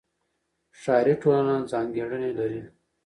ښاري ټولنه ځانګړنې لري.